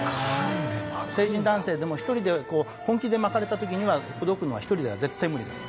成人男性でも１人で本気で巻かれた時にはほどくのは１人では絶対無理です。